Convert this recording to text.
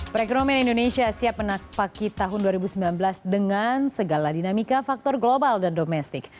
perekonomian indonesia siap menakpaki tahun dua ribu sembilan belas dengan segala dinamika faktor global dan domestik